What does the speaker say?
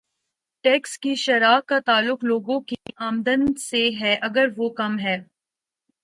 Tax کی شرح کا تعلق لوگوں کی آمدن سے ہے اگر وہ کم ہے۔